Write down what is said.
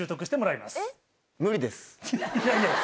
いやいや。